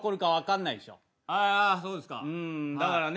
そうですか。